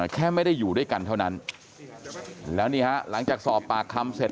แค่ไม่ได้อยู่ด้วยกันเท่านั้นแล้วนี่ฮะหลังจากสอบปากคำเสร็จ